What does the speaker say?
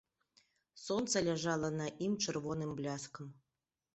Сонца ляжала на ім чырвоным бляскам.